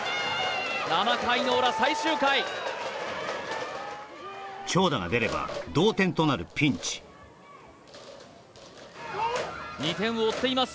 ７回の裏最終回長打が出れば同点となるピンチ２点を追っています